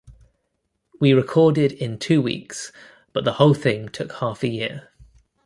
We recorded in two weeks but the whole thing took half a year.